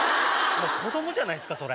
子供じゃないっすかそれ。